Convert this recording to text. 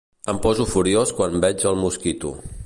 Em poso furiós quan veig el Mosquito.